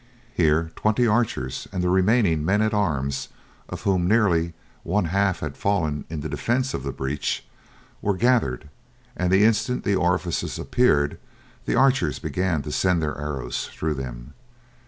Here twenty archers, and the remaining men at arms of whom nearly one half had fallen in the defence of the breach were gathered, and the instant the orifices appeared the archers began to send their arrows through them.